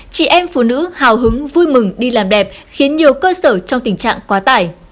chị em phụ nữ hào hứng vui mừng đi làm đẹp khiến nhiều cơ sở trong tình trạng quá tải